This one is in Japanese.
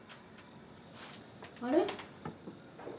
あれ？